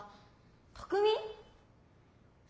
拓海？